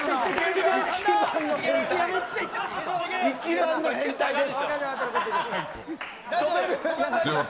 一番の変態です。